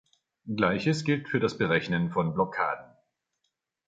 Gleiches gilt für das Berechnen von Blockaden.